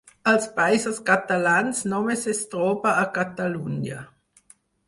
Als Països Catalans només es troba a Catalunya.